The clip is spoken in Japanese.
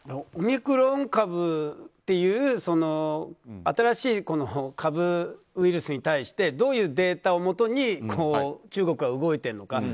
オミクロン株っていう新しいウイルスに対してどういうデータをもとに中国は動いているのか。